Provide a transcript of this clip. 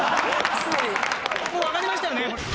もうわかりましたよね？